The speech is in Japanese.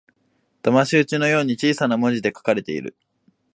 だまし討ちのように小さな文字で書かれている